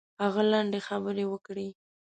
هغه لنډې خبرې وکړې.